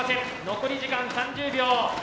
残り時間３０秒。